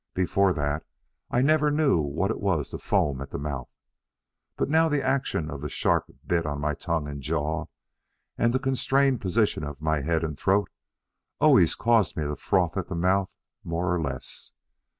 Before that, I never knew what it was to foam at the mouth, but now the action of the sharp bit on my tongue and jaw, and the constrained position of my head and throat, always caused me to froth at the mouth more or less.